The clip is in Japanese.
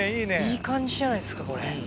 いい感じじゃないですかこれ。